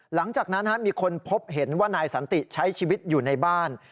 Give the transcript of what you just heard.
หลังจากนั้นมีคนพบเห็นว่านายสันติใช้ชีวิตอยู่ในบ้าน